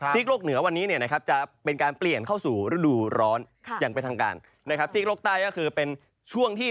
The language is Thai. ซีกโลกเหนือวันนี้จะเป็นการเปลี่ยนเข้าสู่ฤดูร้อน